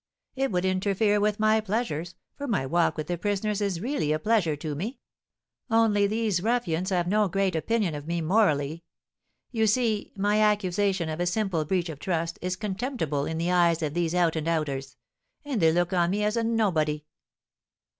"It would interfere with my pleasures, for my walk with the prisoners is really a pleasure to me; only these ruffians have no great opinion of me morally. You see, my accusation of a simple breach of trust is contemptible in the eyes of these out and outers; and they look on me as a nobody."